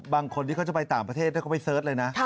บางคนที่เขาจะไปต่างประเทศเขาไปเสิร์ชเลยนะ